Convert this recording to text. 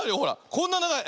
こんなながい。